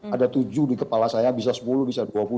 ada tujuh di kepala saya bisa sepuluh bisa dua puluh